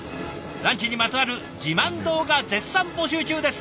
ランチにまつわる自慢動画絶賛募集中です。